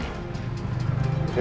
jadi udah kita kesana ya